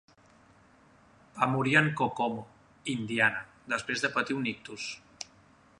Va morir en Kokomo, Indiana, després de patir un ictus.